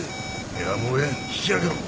やむを得ん引き揚げろ！